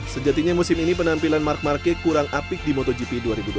sejatinya musim ini penampilan mark marque kurang apik di motogp dua ribu dua puluh